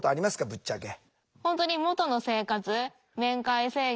ぶっちゃけ。